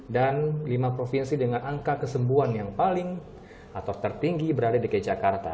dan lima provinsi dengan angka kesembuhan yang paling atau tertinggi berada di dki jakarta